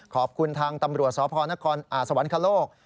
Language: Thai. ขอบคุณทางตำรวจสพนครสวรรคโลก